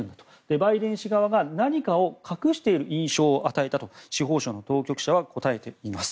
バイデン氏側が何かを隠している印象を与えたと司法省の当局者は答えています。